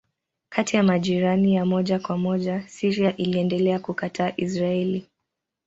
Kati ya majirani ya moja kwa moja Syria iliendelea kukataa Israeli.